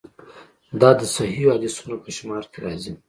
دا د صحیحو حدیثونو په شمار کې راځي.